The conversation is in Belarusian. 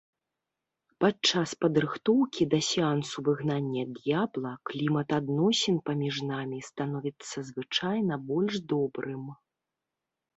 Падчас падрыхтоўкі да сеансу выгнання д'ябла клімат адносін паміж намі становіцца звычайна больш добрым.